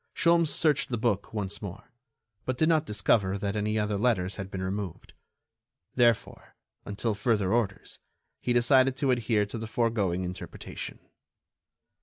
Sholmes searched the book once more, but did not discover that any other letters had been removed. Therefore, until further orders, he decided to adhere to the foregoing interpretation.